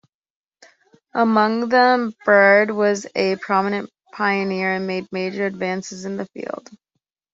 Among them, Baird was a prominent pioneer and made major advances in the field.